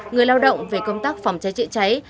người lao động về công tác phòng cháy chữa cháy